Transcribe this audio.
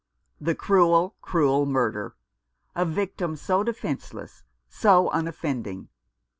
The cruel, cruel murder ! A victim so defence less, so unoffending